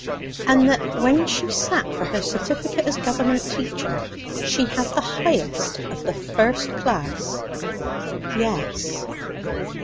"And that when she sat for her certificate as Government teacher, she had the highest of the first class?" "Yes."